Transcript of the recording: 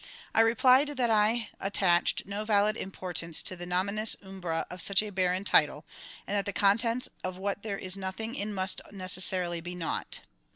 I replied that I attached no valid importance to the nominis umbra of such a barren title, and that the contents of what there is nothing in must necessarily be naught.